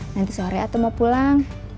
nanti sore atau mau pulang